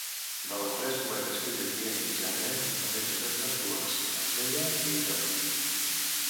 De les tres cubetes que hi havia inicialment només en resten dues: l’Estella i l’Illot.